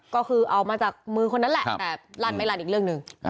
ก็คือเอามาจากมือคนนั้นแหละแต่ลั่นไม่ลั่นอีกเรื่องหนึ่ง